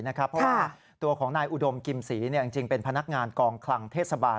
เพราะว่าตัวของนายอุดมกิมศรีจริงเป็นพนักงานกองคลังเทศบาล